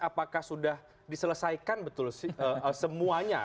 apakah sudah diselesaikan betul semuanya